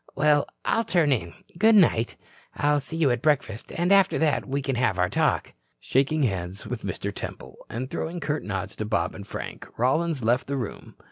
Well, I'll turn in. Good night. I'll see you at breakfast and after that we can have our talk." Shaking hands with Mr. Temple and throwing curt nods to Bob and Frank, Rollins left the room.